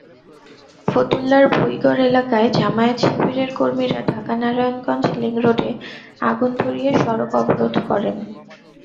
ফতুল্লার ভুঁইগড় এলাকায় জামায়াত-শিবিরের কর্মীরা ঢাকা-নারায়ণগঞ্জ লিংকরোডে আগুন ধরিয়ে সড়ক অবরোধ করেন।